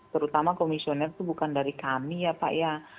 terutama komisioner itu bukan dari kami ya pak ya